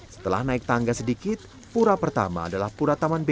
setelah naik tangga sedikit pura pertama adalah pura taman b